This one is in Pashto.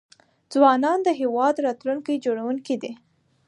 ځوانان د هيواد راتلونکي جوړونکي دي .